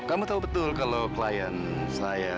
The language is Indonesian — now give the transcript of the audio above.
kamu tahu betul kalau klien saya